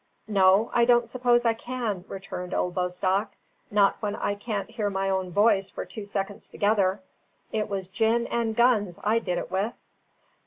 "No, I don't suppose I can," returned old Bostock; "not when I can't hear my own voice for two seconds together. It was gin and guns I did it with."